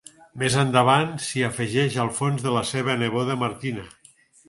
Més endavant, s'hi afegeix el fons de la seva neboda Martina.